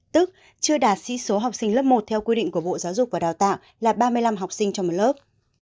tức chưa đạt sĩ số học sinh lớp một theo quy định của bộ giáo dục và đào tạo là ba mươi năm học sinh trong một lớp